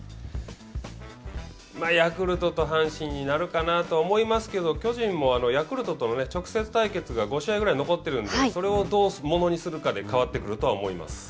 ヤクルトと阪神になるかなと思いますけど巨人も、ヤクルトとの直接対決が５試合ぐらい残ってるんでそれをどうものにするかで変わってくるとは思います。